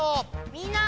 みんな！